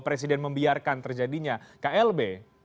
presiden membiarkan terjadinya klb